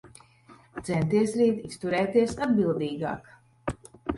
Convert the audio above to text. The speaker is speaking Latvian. Centies rīt izturēties atbildīgāk.